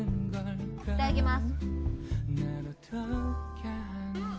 いただきます。